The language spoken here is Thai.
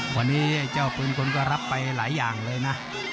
วันนี้เจ้าปืนคนก็รับไปหลายอย่างเลยนะ